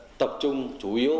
và tập trung chủ yếu